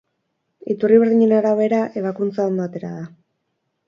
Iturri berdinen arabera, ebakuntza ondo atera da.